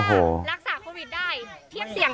พระมหาพรรณรักษาโควิดได้เทียบเสี่ยงกันนะ